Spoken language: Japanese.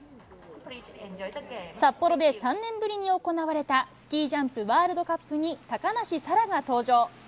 札幌で３年ぶりに行われたスキージャンプワールドカップに、高梨沙羅が登場。